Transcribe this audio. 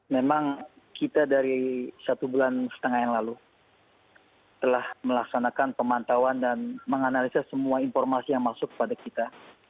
memang kita dari satu bulan setengah yang lalu telah melaksanakan pemantauan dan menganalisa semua informasi yang masuk kepada kita